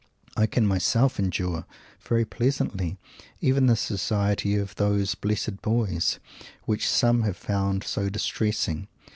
I can myself endure very pleasantly even the society of those "Blessed Boys" which some have found so distressing.